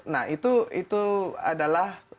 nah itu adalah